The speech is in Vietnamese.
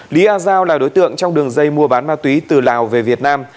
lý a giao là đối tượng trong đường dây mua bán ma túy từ lào về việt nam